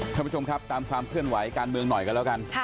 ท่านผู้ชมครับตามความเคลื่อนไหวการเมืองหน่อยกันแล้วกัน